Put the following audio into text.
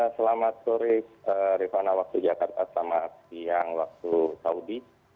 selamat sore rifana waktu jakarta selamat siang waktu saudi